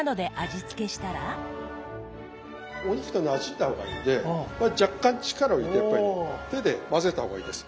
お肉となじんだ方がいいんで若干力を入れてやっぱり手で混ぜた方がいいです。